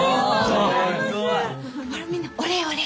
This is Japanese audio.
すごい！ほらみんなお礼お礼。